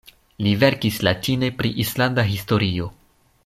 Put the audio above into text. Li verkis latine pri islanda historio.